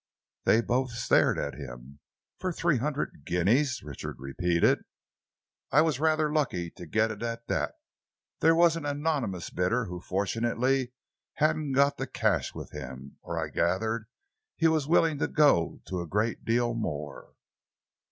They both stared at him. "For three hundred guineas?" Richard repeated. "I was rather lucky to get it at that. There was an anonymous bidder who fortunately hadn't got the cash with him, or I gathered that he was willing to go to a great deal more."